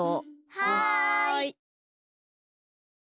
はい！